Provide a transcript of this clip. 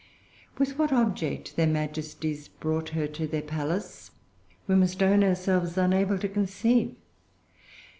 With what object their Majesties brought her to their palace, we must own ourselves unable to conceive.